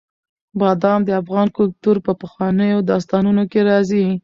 بادام د افغان کلتور په پخوانیو داستانونو کې راځي.